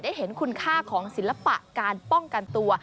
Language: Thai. เห็นคุณค่าของศิลปะการป้องกันตัว